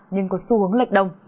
nhưng có xu hướng lệch đông